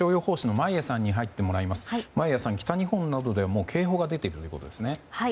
眞家さん、北日本などでも警報が出ているんですね。